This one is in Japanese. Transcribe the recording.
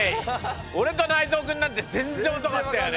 俺と内藤くんなんて全然遅かったよね。